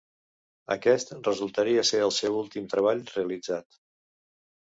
Aquest resultaria ser el seu últim treball realitzat.